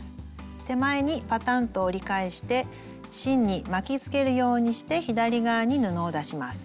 手前にパタンと折り返して芯に巻きつけるようにして左側に布を出します。